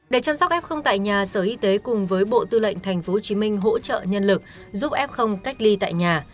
để chăm sóc f tại nhà sở y tế cùng với bộ tư lệnh tp hcm hỗ trợ nhân lực giúp f cách ly tại nhà